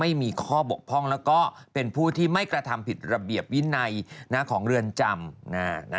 ไม่มีข้อบกพร่องแล้วก็เป็นผู้ที่ไม่กระทำผิดระเบียบวินัยของเรือนจำ